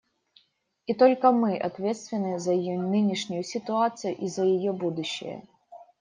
И только мы ответственны за ее нынешнюю ситуацию и за ее будущее.